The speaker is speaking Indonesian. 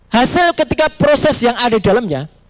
hasil ketika proses yang ada di dalamnya